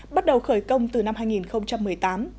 bắt đầu khởi công từ năm hai nghìn một mươi tám